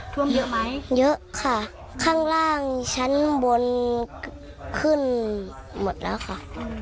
ท่วมเยอะไหมเยอะค่ะข้างล่างชั้นบนขึ้นหมดแล้วค่ะ